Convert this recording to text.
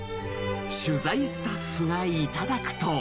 取材スタッフが頂くと。